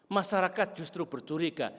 masyarakat justru bercuriga